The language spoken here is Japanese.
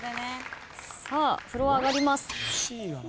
さあフロア上がります。